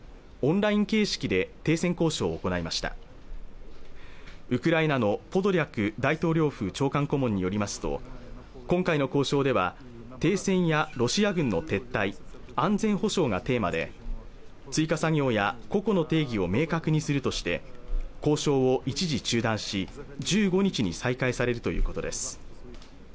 オンライン形式で停戦交渉を行いましたウクライナのポドリャク大統領府長官顧問によりますと今回の交渉では停戦やロシア軍の撤退安全保障がテーマで追加作業や個々の定義を明確にするとして交渉を一時中断し１５日に再開されるということです